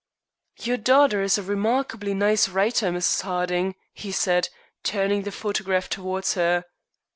"Your daughter is a remarkably nice writer, Mrs. Harding," he said, turning the photograph towards her.